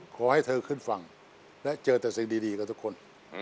ขอให้เธอขึ้นฝั่งและเจอแต่สิ่งดีกับทุกคน